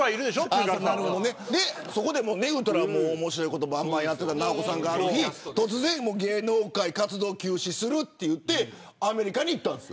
面白いことをばんばんやっていた直子さんがある日突然、芸能活動を休止するといってアメリカに行ったんです。